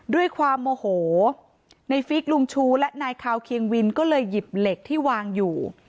ด้วยความโมโหในฟิกลุงชูและนายคาวเคียงวินก็เลยหยิบเหล็กที่วางอยู่